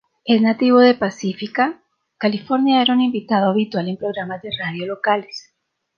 Es nativo de Pacifica, California era un invitado habitual en programas de radio locales.